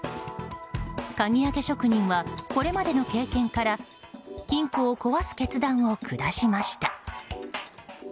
鍵開け職人はこれまでの経験から金庫を壊す決断を下しました。